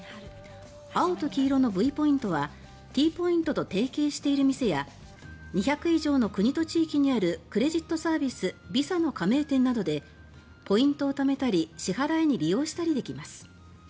青と黄色のＶポイントはＴポイントと提携している店や２００以上の国と地域にあるクレジットサービスＶｉｓａの加盟店などでポイントをためたり支払いに利用したりできます。